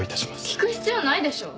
聞く必要ないでしょ。